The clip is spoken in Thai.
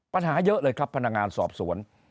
ปัญหาเยอะเลยครับพนักงานสอบสวน